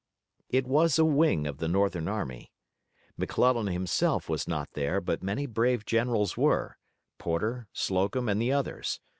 It was a wing of the Northern army. McClellan himself was not there, but many brave generals were, Porter, Slocum and the others.